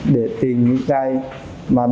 để tìm những cây mà đủ khô để xế hai bộ an tài